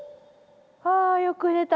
あよく寝た。